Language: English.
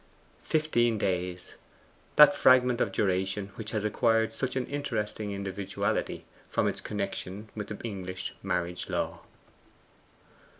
Fifteen days that fragment of duration which has acquired such an interesting individuality from its connection with the English marriage law.